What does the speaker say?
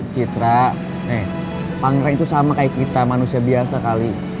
citra pangeran itu sama kayak kita manusia biasa kali